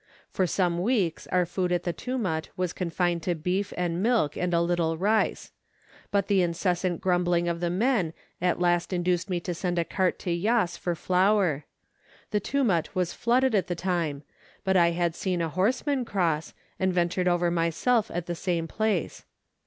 For some weeks our food at the Tumut was confined to beef and milk, and a little rice ; but the incessant grumbling of the men at last induced me to send a cart to Yass for flour. The Tumut was flooded at the time, but I had seen a horseman cross, and ventured over myself at the same place.